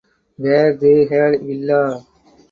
Where they had villa.